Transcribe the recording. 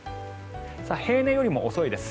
平年よりも遅いです。